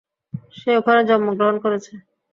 সে ওখানে জন্মগ্রহন করেছে।